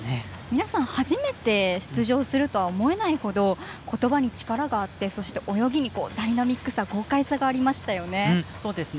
皆さん、初めて出場すると思えないほど言葉に力があってそして泳ぎにダイナミックさ豪快さがありましたよね。